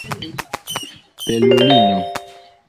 belulino